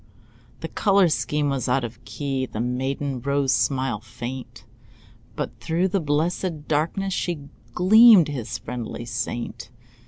The color scheme was out of key, The maiden rose smile faint, But through the blessed darkness She gleamed, his friendly saint.